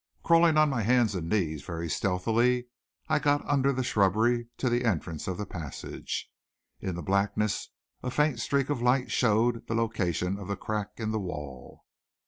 Crawling on my hands and knees very stealthily, I got under the shrubbery to the entrance of the passage. In the blackness a faint streak of light showed the location of the crack in the wall.